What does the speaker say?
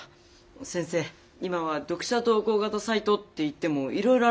先生今は読者投稿型サイトっていってもいろいろあるんだ。